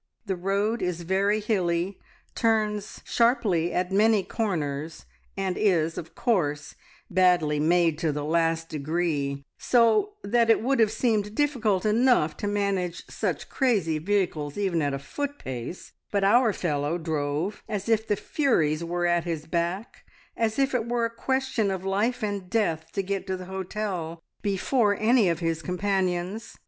The road is very hilly, turns sharply at many corners, and is, of course, badly made to the last degree, so that it would have seemed difficult enough to manage suck crazy vehicles even at a foot pace; but our fellow drove as if the Furies were at his back, as if it were a question of life and death to get to the hotel before any of his companions.